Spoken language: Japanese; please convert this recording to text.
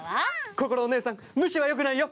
こころおねえさん無視はよくないよ。